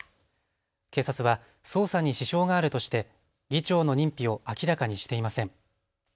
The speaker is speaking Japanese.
警察は捜査に支障があるとして議長の認否を明らかにしていません。